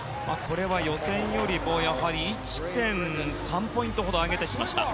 予選よりも１．３ポイントほど上げてきました。